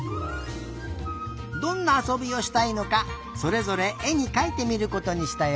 どんなあそびをしたいのかそれぞれえにかいてみることにしたよ。